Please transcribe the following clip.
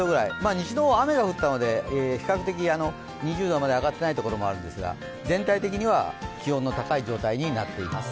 西の方は雨が降ったので比較的、２０度まで上がっていないところもあるんですが、全体的には気温の高い状態になっています。